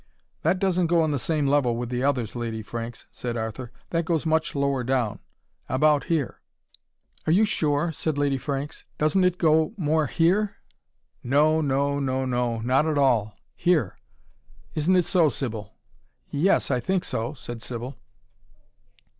"That doesn't go on the same level with the others, Lady Franks," said Arthur. "That goes much lower down about here." "Are you sure?" said Lady Franks. "Doesn't it go more here?" "No no, no no, not at all. Here! Isn't it so, Sybil?" "Yes, I think so," said Sybil.